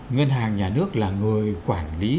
ngân hàng nhà nước là người quản lý